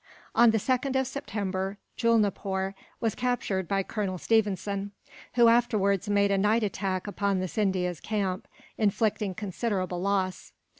On the 2nd of September, Julnapoor was captured by Colonel Stephenson; who afterwards made a night attack upon Scindia's camp, inflicting considerable loss.